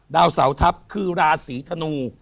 ดาวเสาทัพคือราศีธนู